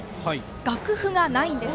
楽譜がないんです。